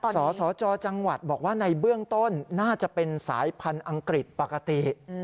สสจจังหวัดบอกว่าในเบื้องต้นน่าจะเป็นสายพันธุ์อังกฤษปกติ